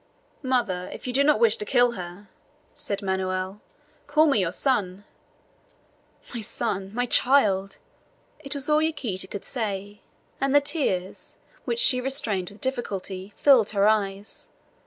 "Mother, if you do not wish to kill her," said Manoel, "call me your son!" "My son! my child!" It was all Yaquita could say, and the tears, which she restrained with difficulty, filled her eyes.